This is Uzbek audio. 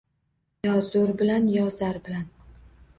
Yo zo'r bilan, yo zar bilan.